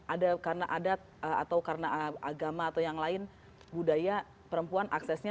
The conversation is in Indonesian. ada karena adat atau karena agama atau yang lain budaya perempuan aksesnya